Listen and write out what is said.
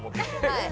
はい。